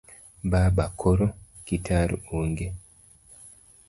Baba:koro? Kitaru: ong'e